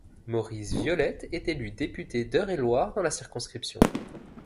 Maurice Viollette est élu député d'Eure-et-Loir dans la circonscription.